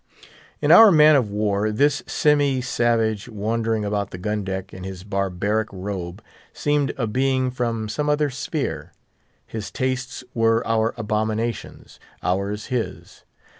In our man of war, this semi savage, wandering about the gun deck in his barbaric robe, seemed a being from some other sphere. His tastes were our abominations: ours his.